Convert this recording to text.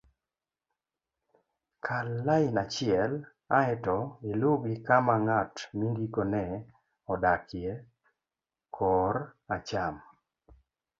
kal lain achiel aeto iluw gi kama ng'at mindikone odakie kor acham